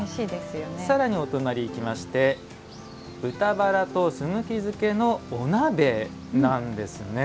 さらにお隣いきまして「豚バラとすぐき漬けのお鍋」なんですね。